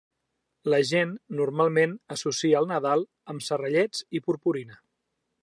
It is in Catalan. La gent normalment associa el Nadal amb serrellets i purpurina.